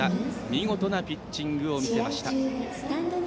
見事なピッチングを見せました。